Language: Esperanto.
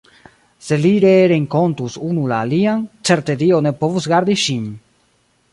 Se ili ree renkontus unu la alian, certe Dio ne povus gardi ŝin!